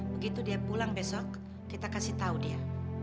begitu dia pulang besok kita kasih tahu dia